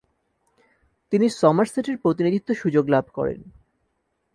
তিনি সমারসেটের প্রতিনিধিত্ব সুযোগ লাভ করেন।